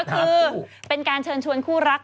สรุนก็คือเป็นการเชิญชวนคู่รัก